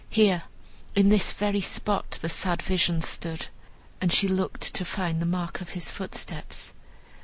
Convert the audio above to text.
Here, in this very spot, the sad vision stood," and she looked to find the mark of his footsteps.